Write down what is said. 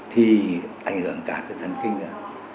thì ảnh hưởng cả cho thần kinh nữa